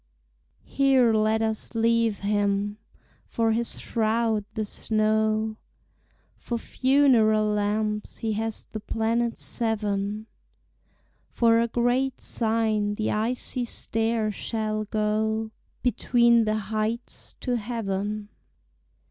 Here let us leave him; for his shroud the snow, For funeral lamps he has the planets seven, For a great sign the icy stair shall go Between the heights to heaven.